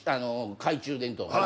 懐中電灯。